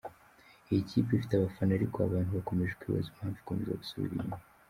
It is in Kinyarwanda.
Iyi kipe ifite abafana ariko abantu bakomeje kwibaza impamvu ikomeza gusubira inyuma.